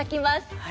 はい。